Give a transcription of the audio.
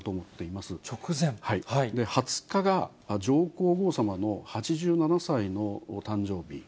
２０日が上皇后さまの８７歳の誕生日。